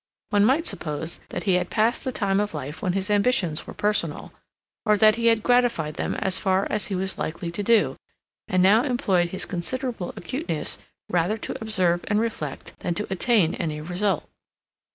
One might suppose that he had passed the time of life when his ambitions were personal, or that he had gratified them as far as he was likely to do, and now employed his considerable acuteness rather to observe and reflect than to attain any result.